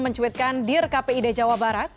mencuitkan dir kpid jawa barat